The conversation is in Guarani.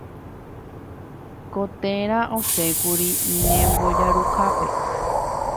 Ko téra osẽkuri ñembojaruhápe.